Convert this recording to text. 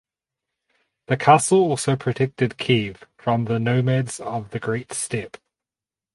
The castle also protected Kyiv from the nomads of the Great Steppe.